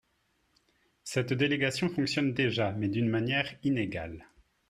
Cette délégation fonctionne déjà, mais d’une manière inégale.